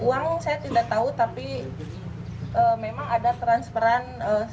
uang saya tidak tahu tapi memang ada transferan